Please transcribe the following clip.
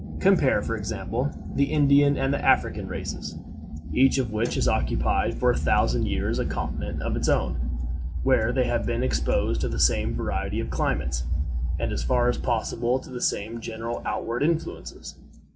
Compare, for example, the Indian and the African races, each of which has occupied for a thousand years a continent of its own, where they have been exposed to the same variety of climates, and as far as possible to the same general outward influences.